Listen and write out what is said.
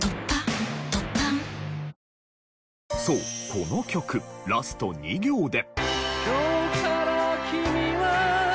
この曲ラスト２行で。